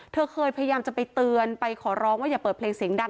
เธอเคยพยายามจะไปเตือนไปขอร้องว่าอย่าเปิดเพลงเสียงดัง